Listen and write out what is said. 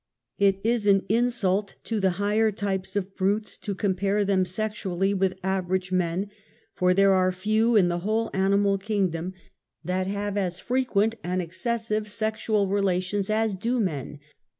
It is an insult to the higher types of brutes to compare them sexually with average men, for there are few in the whole animal kingdom that have as LANGUAGE OF THE NERVES. 139 frequent and excessive sexual relations as do men.